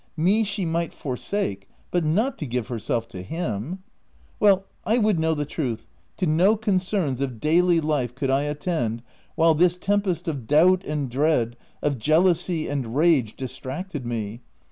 Me she might forsake, but wo* to give herself to him ! Well, I would know the truth — to no concerns of daily life could I attend, while this tempest of doubt and dread, of jealousy and rage distracted me.